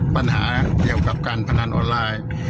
ปัญหาเกี่ยวกับการพนันออนไลน์